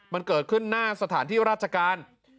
มันเกิดขึ้นหน้าสถานที่ราชการ